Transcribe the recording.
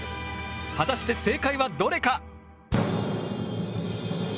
果たして正解はどれか？